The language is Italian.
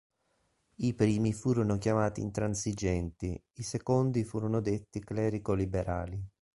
I primi furono chiamati "intransigenti", i secondi furono detti "clerico-liberali".